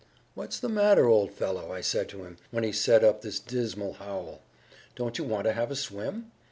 "'What's the matter, old fellow?' I said to him, when he set up this dismal howl. 'Don't you want to have a swim?